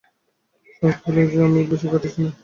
শরৎকে বল যে, আমি বেশী খাটছি না আর।